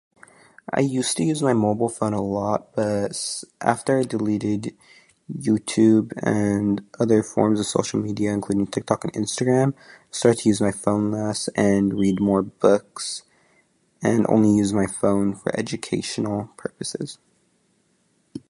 I used to use my mobile phone a lot, but si- after I deleted YouTube and other forms of social media, including TikTok and Instagram, I started to use my phone less and read more books, and only use my phone for educational purposes.